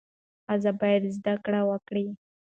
ښځه باید زده کړه وکړي.